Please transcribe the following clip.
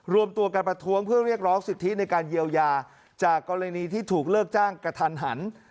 รวมตัวกันประท้วงเพื่อเรียกร้องสิทธิในการเยียวยาจากกรณีที่ถูกเลิกจ้างกระทันหัน